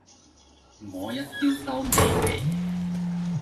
我一招收你皮